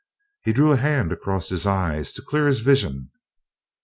He drew a hand across his eyes to clear his vision.